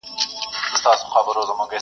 د منصوري قسمت مي څو کاڼي لا نور پاته دي!.